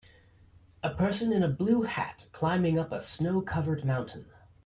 A person in a blue hat climbing up a snow covered mountain.